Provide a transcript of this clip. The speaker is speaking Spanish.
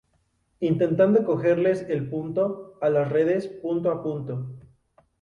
intentando cogerles el punto a las redes punto a punto